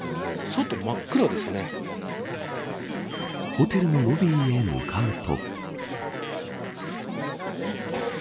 ホテルのロビーへ向かうと。